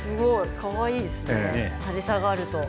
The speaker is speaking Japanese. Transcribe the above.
かわいいですね垂れ下がると。